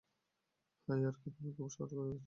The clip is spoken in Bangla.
হ্যাঁ ইয়াকারি, তুমি খুব সাহস দেখিয়েছ।